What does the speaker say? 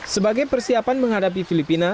sebagai persiapan menghadapi filipina